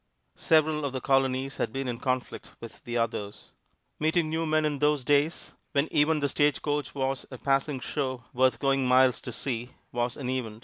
Several of the Colonies had been in conflict with the others. Meeting new men in those days, when even the stagecoach was a passing show worth going miles to see, was an event.